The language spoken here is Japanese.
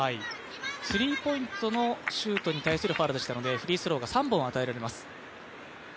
スリーポイントのシュートに対するファウルでしたのでフリースローが３本与えられます。